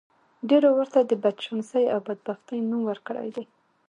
ډېرو ورته د بدچانسۍ او بدبختۍ نوم ورکړی دی